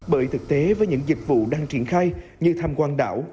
bởi thực tế với những dịch vụ đang triển khai như tham quan đảo